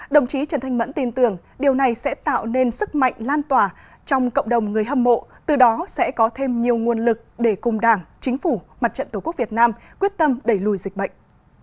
đồng chí trần thanh mẫn tin tưởng điều này sẽ tạo nên sức mạnh lan tỏa trong cộng đồng người hâm mộ từ đó sẽ có thêm nhiều nguồn lực để cùng đảng chính phủ mặt trận tổ quốc việt nam quyết tâm đẩy lùi dịch bệnh